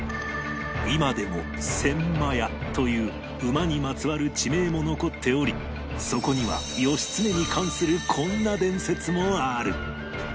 今でも「千厩」という馬にまつわる地名も残っておりそこには義経に関するこんな伝説もある